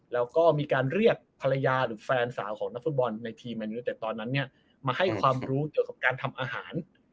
แล้วก็มีการเรียกภรรยาหรือแฟนสาวของนักฟุตบอลในทีมแนนยูเต็ดตอนนั้นเนี่ยมาให้ความรู้เกี่ยวกับการทำอาหาร